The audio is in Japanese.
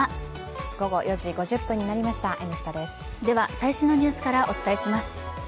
最新のニュースからお伝えします。